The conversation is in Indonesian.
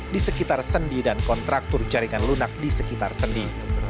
di sekitar sendi dan kontraktur jaringan lunak di sekitar sendi